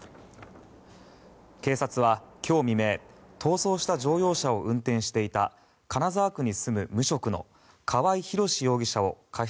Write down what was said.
警察は今日未明逃走した乗用車を運転していた金沢区に住む無職の川合廣司容疑者を過失